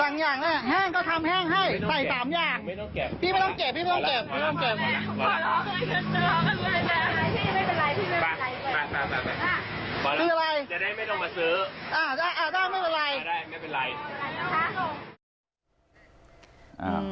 บางอย่างแห้งก็ทำแห้งให้ใส่๓อย่าง